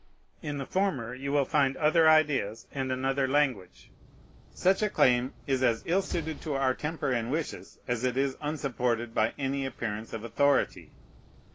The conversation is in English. In the former you will find other ideas and another language. Such a claim is as ill suited to our temper and wishes as it is unsupported by any appearance of authority.